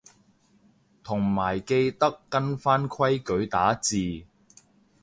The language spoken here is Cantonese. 同埋記得跟返規矩打字